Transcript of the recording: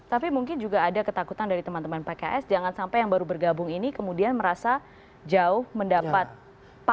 tapi mungkin juga ada ketakutan dari teman teman pks jangan sampai yang baru bergabung ini kemudian merasa jauh mendapat pasang